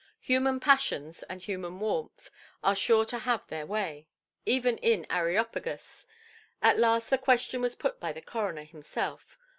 Human passions and human warmth are sure to have their way, even in Areopagus. At last the question was put by the coroner himself.